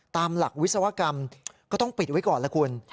ตามหลักวิศวกรรมก็ต้องปิดไว้ก่อนละคุณ